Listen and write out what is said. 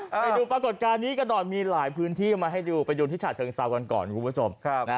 ไปดูปรากฏการณ์นี้ก็นอนมีหลายพื้นที่มาให้ดูไปดูที่ฉาดเทิงเซาค่อนก่อน